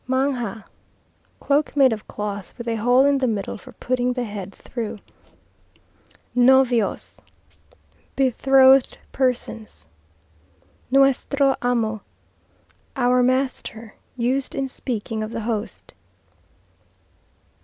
Manga Cloak made of cloth, with a hole in the middle for putting the head through. Novios Betrothed persons. Nuestro Amo Our Master, used in speaking of the Host.